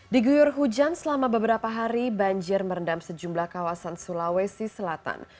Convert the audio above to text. di guyur hujan selama beberapa hari banjir merendam sejumlah kawasan sulawesi selatan